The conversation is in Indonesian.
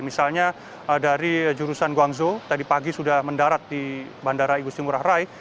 misalnya dari jurusan guangzhou tadi pagi sudah mendarat di bandara igusti ngurah rai